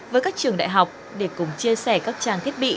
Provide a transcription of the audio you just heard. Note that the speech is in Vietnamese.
với các trường đại học để cùng chia sẻ các trang thiết bị